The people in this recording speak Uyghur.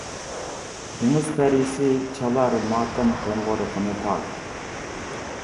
دېڭىز پەرىسى چالار ماتەم قوڭغۇرىقىنى تاك!